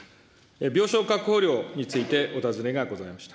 病床確保料についてお尋ねがございました。